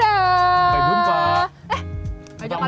kita makan yang lain